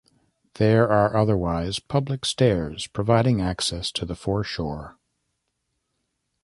There are otherwise, public stairs providing access to the foreshore.